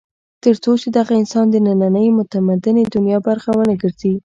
تر څو چې دغه انسان د نننۍ متمدنې دنیا برخه ونه ګرځي.